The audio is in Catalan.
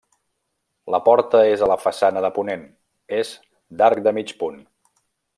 La porta és a la façana de ponent; és d'arc de mig punt.